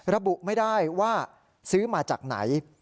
ระบุไม่ได้ว่าซื้อมาจากไหน